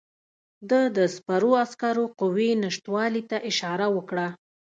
ده د سپرو عسکرو قوې نشتوالي ته اشاره وکړه.